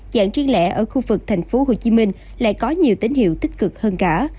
dạng triển lẽ ở khu vực thành phố hồ chí minh lại có nhiều tín hiệu tích cực hơn cả